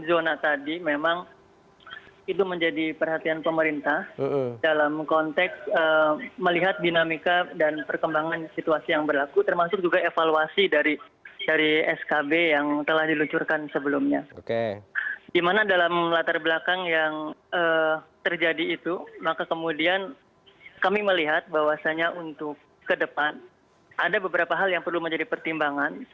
oke jadi terkait dengan perluasan zona tadi memang itu menjadi perhatian pemerintah